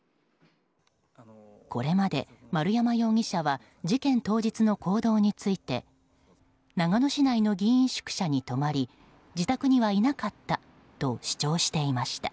これまで丸山容疑者は事件当日の行動について長野市内の議員宿舎に泊まり自宅にはいなかったと主張していました。